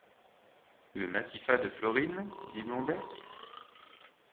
Le Matifat de Florine ? dit Blondet.